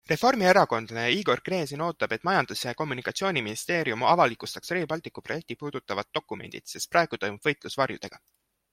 Reformierakondlane Igor Gräzin ootab, et majandus- ja kommunikatsiooniministeerium avalikustaks Rail Balticu projekti puudutavad dokumendid, sest praegu toimub võitlus varjudega.